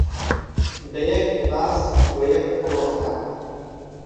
بە یەک باس و یەک فڕۆکە